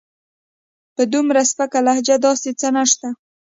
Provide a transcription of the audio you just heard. په دومره سپکه لهجه داسې څه نشته.